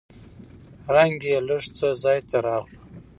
رنګ يې لېږ څه ځاى ته راغلو.